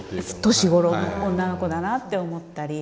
年頃の女の子だなって思ったり。